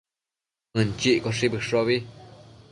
Mënchiccoshi bëshobi